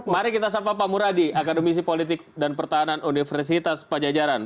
mari kita sapa pak muradi akademisi politik dan pertahanan universitas pajajaran